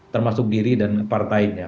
termasuk diri dan partainya